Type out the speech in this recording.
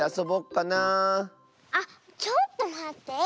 あっちょっとまって。